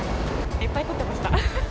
いっぱい撮ってました。